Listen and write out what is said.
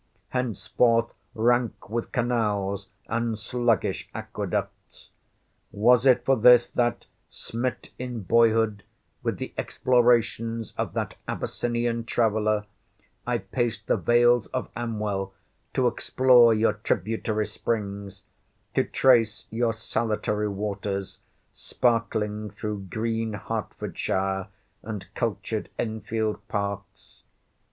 henceforth rank with canals, and sluggish aqueducts. Was it for this, that, smit in boyhood with the explorations of that Abyssinian traveller, I paced the vales of Amwell to explore your tributary springs, to trace your salutary waters sparkling through green Hertfordshire, and cultured Enfield parks?